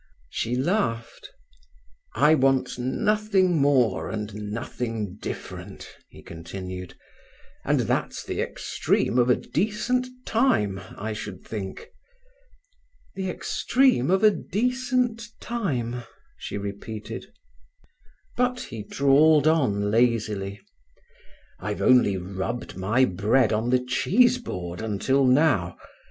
She laughed. "I want nothing more and nothing different," he continued; "and that's the extreme of a decent time, I should think." "The extreme of a decent time!" she repeated. But he drawled on lazily: "I've only rubbed my bread on the cheese board until now.